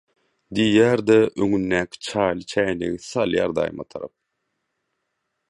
diýýär-de, öňündäki çaýly çäýnegi salýar daýyma tarap.